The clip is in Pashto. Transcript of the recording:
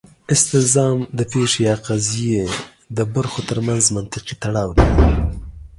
استلزام د پېښې یا قضیې د برخو ترمنځ منطقي تړاو دی.